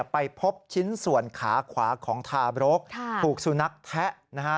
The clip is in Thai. ไปพบชิ้นส่วนขาขวาของทาบรกถูกสุนัขแทะนะฮะ